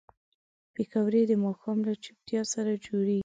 پکورې د ماښام له چوپتیا سره جوړېږي